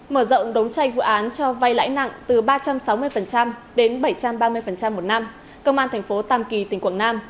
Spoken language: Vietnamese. mở rộng đống chay vụ án cho vay lãi nặng từ ba trăm sáu mươi đến bảy trăm ba mươi một năm cơ quan tp tàm kỳ tỉnh quảng nam